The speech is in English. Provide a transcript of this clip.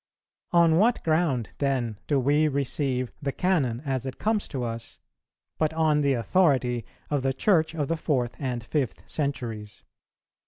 On what ground, then, do we receive the Canon as it comes to us, but on the authority of the Church of the fourth and fifth centuries?